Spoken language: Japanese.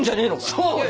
そうだよ。